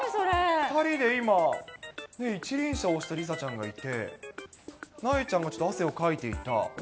２人で今、一輪車押してる梨紗ちゃんがいて、なえちゃんがちょっと汗をかいていた。